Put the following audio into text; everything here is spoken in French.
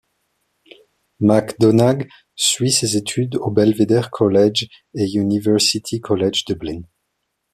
MacDonagh suit ses études au Belvedere College et University College Dublin.